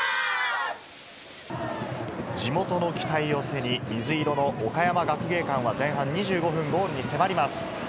地元の期待を背に、水色の岡山学芸館は前半２５分、ゴールに迫ります。